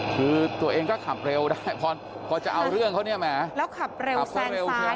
คือตัวเองก็ขับเร็วพอจะเอาเรื่องเขาแล้วขับเร็วแซงซ้าย